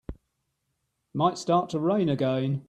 Might start to rain again.